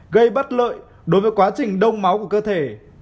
gây bất lợi đối với quá trình đông máu của cơ thể